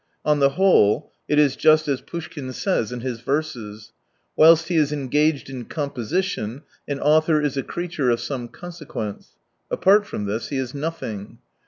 On the whole it is just as Poushkin says in his verses. Whilst he is engaged in composition, an author is a creature of some consequence : apart from this, he is nothing.